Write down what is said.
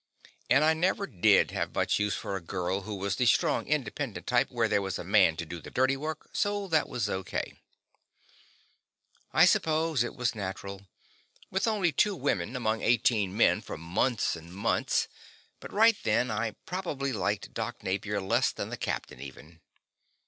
And I never did have much use for a girl who was the strong independent type where there was a man to do the dirty work, so that was okay. I suppose it was natural, with only two women among eighteen men for month after month, but right then I probably liked Doc Napier less than the captain, even.